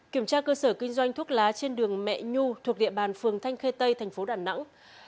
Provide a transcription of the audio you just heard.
kiểm tra cơ sở kinh doanh thuốc lá trên đường mẹ nhu thuộc địa bàn phường thanh khê tây thành phố đà nẵng